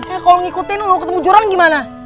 eh kalo ngikutin lu ketemu juran gimana